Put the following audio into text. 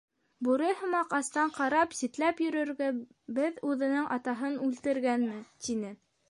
Бүре һымаҡ аҫтан ҡарап, ситләп йөрөргә, беҙ уның атаһын үлтергәнме? — тине.